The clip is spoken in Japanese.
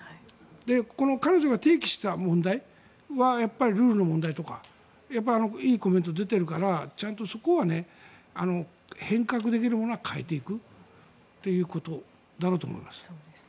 この彼女が提起した問題はルールの問題とかいいコメントが出ているからちゃんとそこは変革できるものは変えていくということだろうと思います。